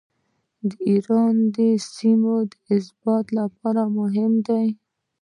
ایران د سیمې د ثبات لپاره مهم دی.